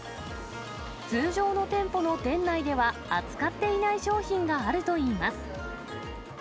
通常の店舗の店内では、扱っていない商品があるといいます。